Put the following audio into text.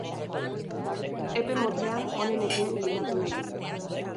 Epe motzean onenekin lehiatu nahi du.